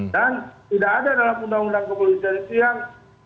dan tidak ada dalam undang undang kepolisian itu yang